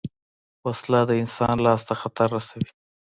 وسله د انسان لاس ته خطر رسوي